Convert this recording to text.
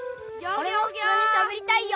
おれもふつうにしゃべりたいよ！